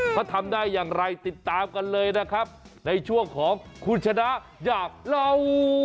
เขาทำได้อย่างไรติดตามกันเลยนะครับในช่วงของคุณชนะอยากเล่า